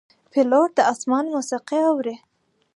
پیلوټ د آسمان موسیقي اوري.